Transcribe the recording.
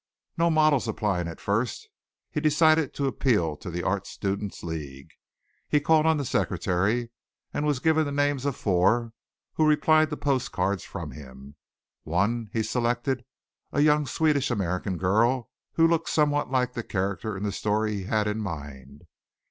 No models applying at first he decided to appeal to the Art Students' League. He called on the Secretary and was given the names of four, who replied to postal cards from him. One he selected, a young Swedish American girl who looked somewhat like the character in the story he had in mind.